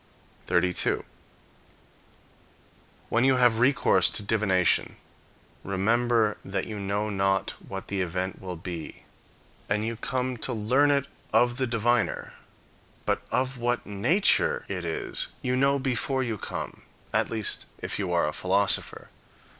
32. When you have recourse to divination, remember that you know not what the event will be, and you come to learn it of the diviner; but of what nature it is you know before you come, at least if you are a philosopher.